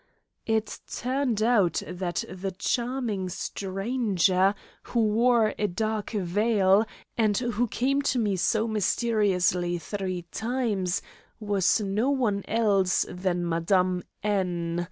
It turned out that "the charming stranger" who wore a dark veil, and who came to me so mysteriously three times, was no one else than Mme. N.